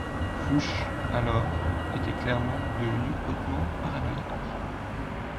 Fuchs, alors, était clairement devenu hautement paranoïaque.